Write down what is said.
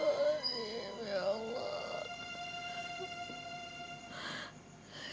masih ya allah